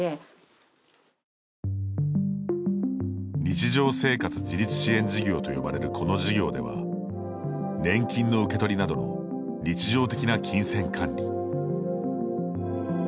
日常生活自立支援事業と呼ばれるこの事業では年金の受け取りなどの日常的な金銭管理。